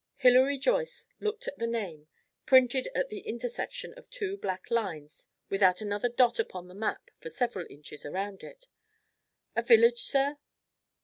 Hilary Joyce looked at the name, printed at the intersection of two black lines without another dot upon the map for several inches around it. "A village, sir?"